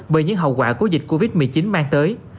bởi những hậu quả của dịch covid một mươi chín mang tới